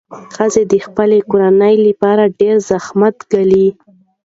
ښځې د خپلو کورنیو لپاره ډېر زحمت ګالي.